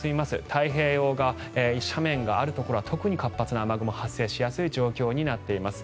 太平洋側、斜面があるところは特に活発な雨雲が発生しやすい状況となっています。